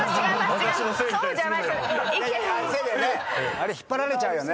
あれ引っ張られちゃうよね。